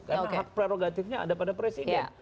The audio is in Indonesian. karena hak prerogatifnya ada pada presiden